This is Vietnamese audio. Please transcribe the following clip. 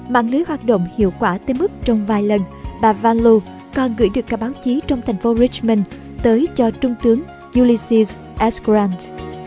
sau các phát động hiệu quả tới mức trong vài lần bà van loo còn gửi được các báo chí trong thành phố richmond tới cho trung tướng ulysses s grant